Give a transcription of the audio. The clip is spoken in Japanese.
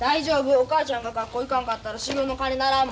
お母ちゃんが学校行かんかったら始業の鐘鳴らんもん。